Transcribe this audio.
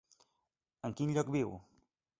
En quin lloc viu?